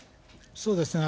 そうですね。